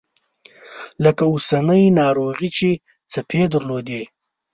لکه اوسنۍ ناروغي چې څپې درلودې.